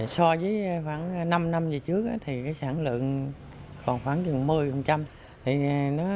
so với khoảng năm năm về trước thì sản lượng còn khoảng chừng một mươi